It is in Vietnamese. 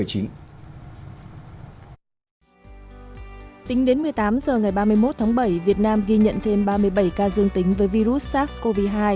tính đến một mươi tám h ngày ba mươi một tháng bảy việt nam ghi nhận thêm ba mươi bảy ca dương tính với virus sars cov hai